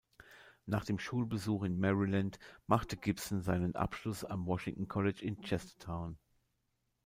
Nach dem Schulbesuch in Maryland machte Gibson seinen Abschluss am Washington College in Chestertown.